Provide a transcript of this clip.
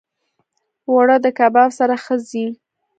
اوړه د کباب سره ښه ځي